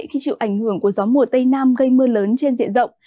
khi chịu ảnh hưởng của gió mùa tây nam gây mưa lớn trên diện rộng